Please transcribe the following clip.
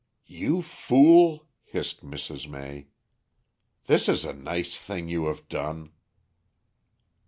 "You fool," hissed Mrs. May. "This is a nice thing you have done!"